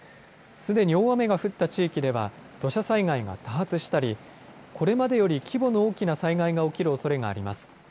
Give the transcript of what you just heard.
すでに大雨が降った地域では土砂災害が多発したり、これまでより規模の大きな災害が起きるおそれがあります。